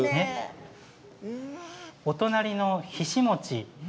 お隣のひし餅。